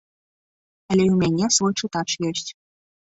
Але і ў мяне свой чытач ёсць.